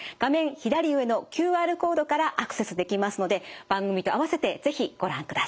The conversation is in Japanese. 左上のＱＲコードからアクセスできますので番組と併せて是非ご覧ください。